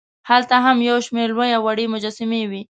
هلته هم یوشمېر لوې او وړې مجسمې وې.